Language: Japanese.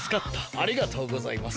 ありがとうございます。